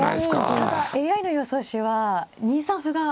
ただＡＩの予想手は２三歩が。